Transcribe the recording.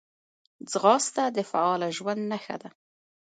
ځغاسته د فعاله ژوند نښه ده